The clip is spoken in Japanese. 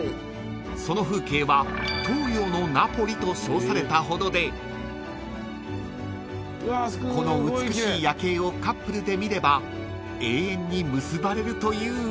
［その風景は東洋のナポリと称されたほどでこの美しい夜景をカップルで見れば永遠に結ばれるという噂も］